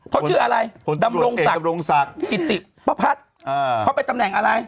เขาชื่ออะไรตำรวจเอกตำรวจศักดิ์อิติปภัทรเขาเป็นตำแหน่งอะไร